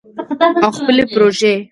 او خپلې پروژې